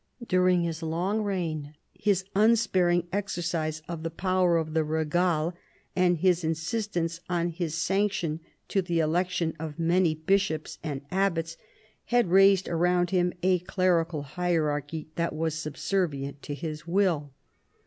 During his long reign his unsparing exercise of the power of the regale, and his insistence on his sanction to the election of many bishops and abbats, had raised around him a clerical hierarchy that was subservient to his will.